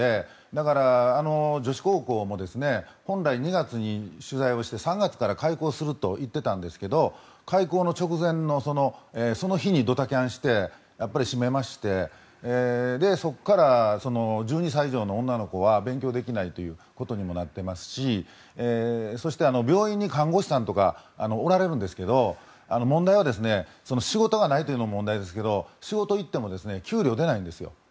だから、女子高校も本来、２月に取材して３月から開校するといっていたんですが開校直前のその日にドタキャンしてやっぱり閉めましてそこから１２歳以上の女の子は勉強できないということにもなっていますし病院に看護師さんとかおられるんですけど問題は仕事がないというのも問題ですけど仕事に行っても給料が出ないんです。